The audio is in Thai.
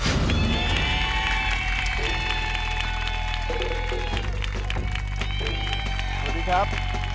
สวัสดีครับ